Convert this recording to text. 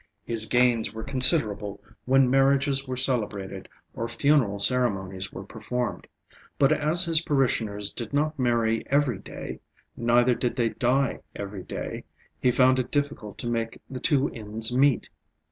His gains were considerable when marriages were celebrated or funeral ceremonies were performed; but as his parishioners did not marry every day, neither did they die every day, he found it difficult to make the two ends meet.